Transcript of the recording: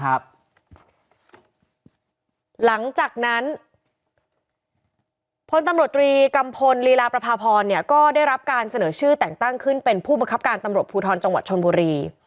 หลังจากนั้นพลตำรวจตรีกัมพลลีลาประพาพรก็ได้รับการเสนอชื่อแต่งตั้งขึ้นเป็นผู้บังคับการตำรวจภูทรจังหวัดชนบุรี